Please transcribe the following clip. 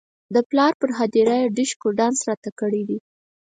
د پلار پر هدیره یې ډیشکو ډانس راته کړی دی.